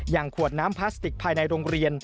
ขวดน้ำพลาสติกภายในโรงเรียน